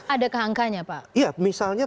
ada kehangkanya pak iya misalnya